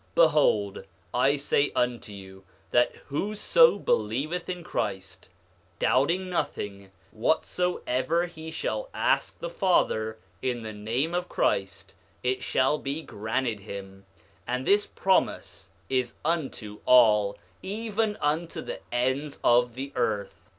9:21 Behold, I say unto you that whoso believeth in Christ, doubting nothing, whatsoever he shall ask the Father in the name of Christ it shall be granted him; and this promise is unto all, even unto the ends of the earth.